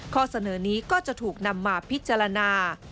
ข้อเสนอนี้ก็จะถูกนำมาพิจารณา